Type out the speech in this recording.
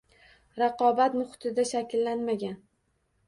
Raqobat muhitida shakllanmagan